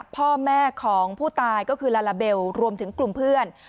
พ่อแม่ของผู้ตายก็คือลาลาเบลรวมถึงกลุ่มเพื่อน